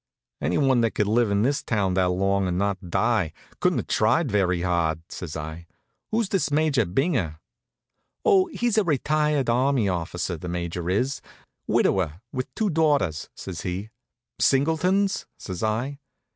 "Anyone that could live in this town that long and not die, couldn't have tried very hard," says I. "Who's this Major Binger?" "Oh, he's a retired army officer, the major is; widower, with two daughters," says he. "Singletons?" says I.